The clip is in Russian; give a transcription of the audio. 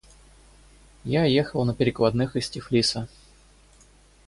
Я ехал на перекладных из Тифлиса.